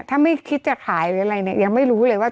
ถ้าไม่คิดจะขายหรืออะไรเนี่ยยังไม่รู้เลยว่า